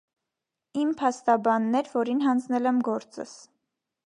- Իմ փաստաբանն էր, որին հանձնել եմ գործս: